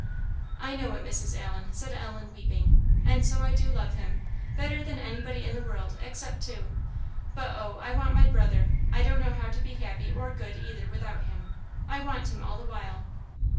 "I know it, Mrs. Allen," said Ellen, weeping, "and so I do love him better than anybody in the world, except two. But oh! I want my brother; I don't know how to be happy or good either without him. I want him all the while."